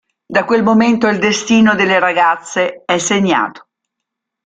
Da quel momento, il destino delle ragazze è segnato.